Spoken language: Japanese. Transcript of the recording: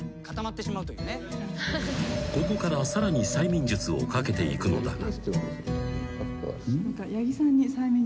［ここからさらに催眠術をかけていくのだが］